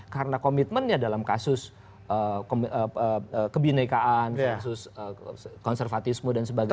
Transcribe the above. karena komitmennya dalam kasus kebinekaan kasus konservatisme dan sebagainya